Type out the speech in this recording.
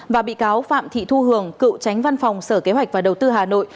và bị cáo phạm thị thu hường cựu tránh văn phòng sở kế hoạch và đầu tư hà nội